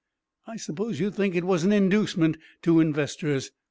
I suppose you'd think it was an inducement to investors!